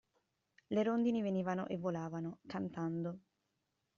Le rondini venivano e volavano, cantando.